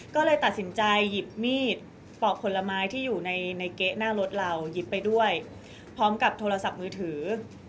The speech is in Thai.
ก็เลยตัดสินใจหยิบมีดปอกผลไม้ที่อยู่ในเก๊ะหน้ารถเราหยิบไปด้วยพร้อมกับโทรศัพท์มือถือ